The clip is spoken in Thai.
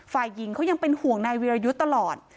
ฝ่ายหญิงเขายังเป็นห่วงนายวิรยุทธ์ตลอด